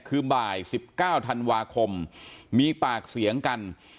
คือบ่าย๑๙ธันวาคมมีปากเสียงกัน